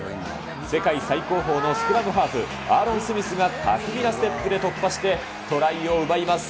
世界最高峰のスクラムハーフ、アーロン・スミスが巧みなステップで突破してトライを奪います。